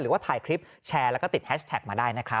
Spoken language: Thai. หรือว่าถ่ายคลิปแชร์แล้วก็ติดแฮชแท็กมาได้นะครับ